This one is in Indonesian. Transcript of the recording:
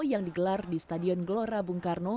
yang digelar di stadion gelora bung karno